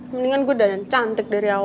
mendingan gue dana yang cantik dari awal